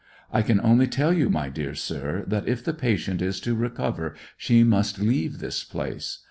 "I can only tell you, my dear sir, that if the patient is to recover she must leave this place.